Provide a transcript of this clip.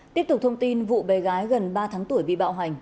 tiếp tục thông tin vụ bé gái gần ba tháng tuổi bị bạo hành